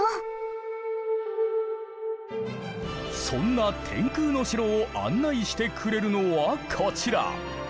そんな天空の城を案内してくれるのはこちら。